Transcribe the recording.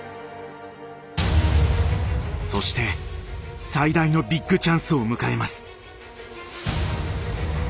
そして最大のビッグチャンスを迎えます。